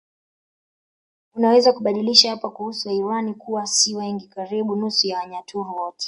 Unaweza kubadilisha hapa kuhusu Airwana kuwa si wengi karibu nusu ya Wanyaturu wote